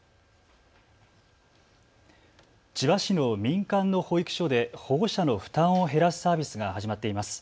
千葉市の民間の保育所で保護者の負担を減らすサービスが始まっています。